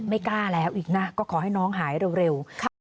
ไม่กล้าแล้วอีกนะก็ขอให้น้องหายเร็ว